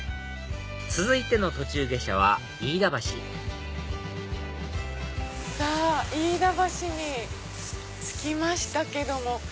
続いての途中下車は飯田橋さぁ飯田橋に着きましたけども。